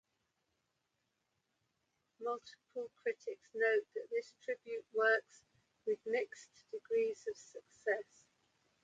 Multiple critics note that this tribute works with mixed degrees of success.